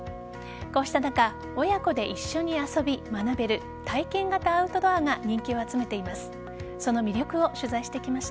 こうした中親子で一緒に遊び、学べる体験型アウトドアが人気を集めています。